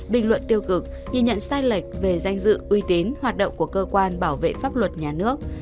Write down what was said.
bình luận tiêu cực nhìn nhận sai lệch về danh dự uy tín hoạt động của cơ quan bảo vệ pháp luật nhà nước